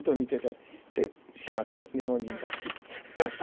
すいません日本人たちハハ！